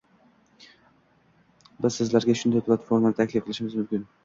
biz sizlarga shunday platformani taklif qilishimiz mumkin.